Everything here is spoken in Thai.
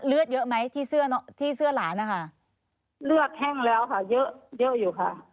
เลือดเยอะไหมที่เสื้อที่เสื้อหลานนะคะเลือดแห้งแล้วค่ะเยอะเยอะอยู่ค่ะ